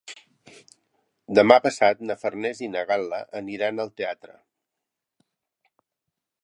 Demà passat na Farners i na Gal·la aniran al teatre.